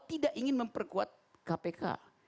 tidak ingin memperkuat kpk